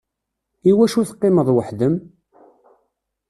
Iwacu teqqimeḍ weḥd-m?